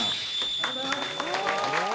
ありがとうございます。